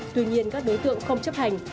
tuy nhiên các đối tượng không chấp hành